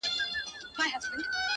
o سـتـــا خــبــــــري دي؛